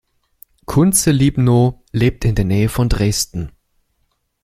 Kunze-Libnow lebt in der Nähe von Dresden.